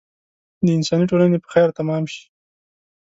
د انساني ټولنې په خیر تمام شي.